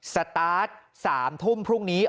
สตาร์ท๓ทุ่มพรุ่งนี้